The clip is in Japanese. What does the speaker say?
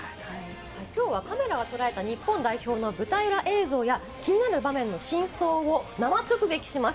きょうはカメラが捉えた日本代表の舞台裏映像や気になる場面の真相を生直撃します。